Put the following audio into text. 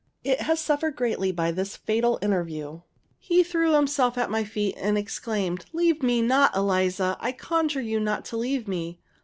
It has suffered greatly by this fatal interview." He threw himself at my feet, and exclaimed, "Leave me not, Eliza; I conjure you not to leave me."